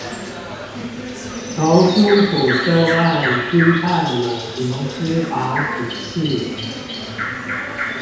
從辛普森案批判美國司法體系